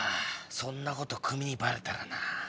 そんなこと組にバレたらなぁ。